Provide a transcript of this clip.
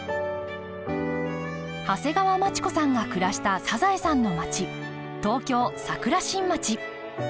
長谷川町子さんが暮らしたサザエさんの街東京・桜新町。